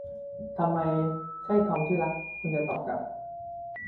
'ทำไมใช่ทอมที่รัก' คุณจะตอบกลับ